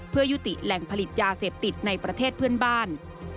เพื่อยุติแหล่งผลิตยาเสพติดในประเทศเพื่อนบ้าน